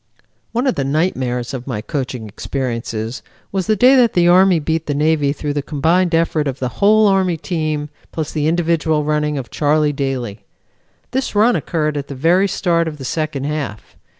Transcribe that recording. One of the nightmares of my coaching experiences was the day that the Army beat the Navy through the combined effort of the whole Army team plus the individual running of Charlie Daly. This run occurred at the very start of the second half.